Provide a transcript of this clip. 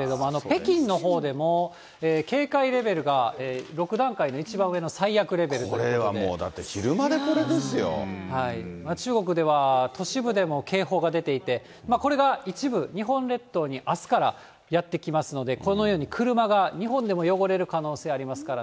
、北京のほうでも警戒レベルが６段階の１番上の最悪レベルというここれはもうだって昼間でこれ中国では都市部でも警報が出ていて、これが一部、日本列島にあすからやって来ますので、このように車が、日本でも汚れる可能性ありますからね。